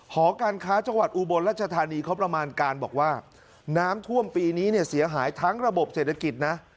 หอการค้าจังหวัดอุบลรัชธานีเขาประมาณการบอกว่าน้ำท่วมปีนี้เนี่ยเสียหายทั้งระบบเศรษฐกิจนะ